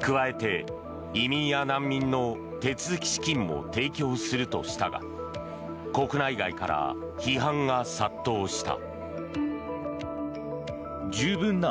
加えて、移民や難民の手続き資金も提供するとしたが国内外から批判が殺到した。